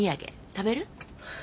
食べる？